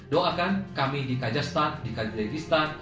doakan kami di kajastan di kazlegistan